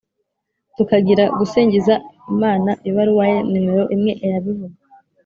tukagira gusingiza imanaibaruwa ye numero imwe irabivuga